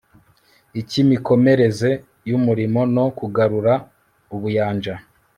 icy imikomereze y umurimo no kugarura ubuyanja